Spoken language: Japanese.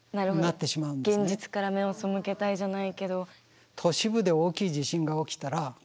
現実から目を背けたいじゃないけど。